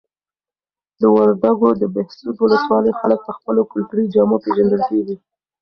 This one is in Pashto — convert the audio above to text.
د وردګو د بهسود ولسوالۍ خلک په خپلو کلتوري جامو پیژندل کیږي.